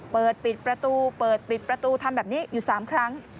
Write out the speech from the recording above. เปิดปิดประตูเปิดปิดประตูทำแบบนี้อยู่๓ครั้ง